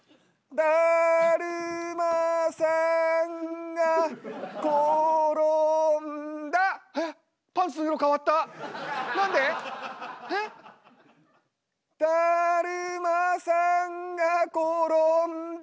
だるまさんが転んだ！